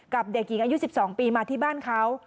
เด็กหญิงอายุ๑๒ปีมาที่บ้านเขา